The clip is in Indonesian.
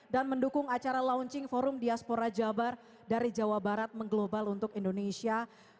dan mendukung acara launching forum diaspora jabar dari jawa barat mengglobal untuk indonesia